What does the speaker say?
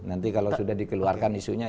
nanti kalau sudah dikeluarkan isunya